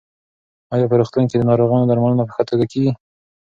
ایا په روغتون کې د ناروغانو درملنه په ښه توګه کېږي؟